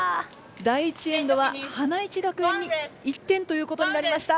第１エンドは花一学園に１点ということになりました。